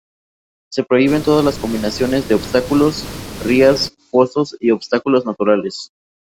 Se prohíben todas las combinaciones de obstáculos, rías, fosos y obstáculos naturales.